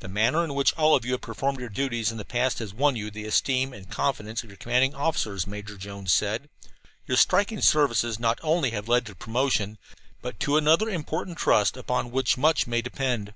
"The manner in which all of you have performed your duties in the past has won you the esteem and confidence of your commanding officers," Major Jones said. "Your striking services not only have led to promotion, but to another important trust, upon which much may depend.